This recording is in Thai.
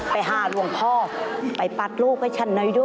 ไปหาหลวงพ่อไปปัดรูปให้ฉันหน่อยด้วย